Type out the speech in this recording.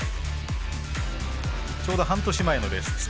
ちょうど半年前のレースです。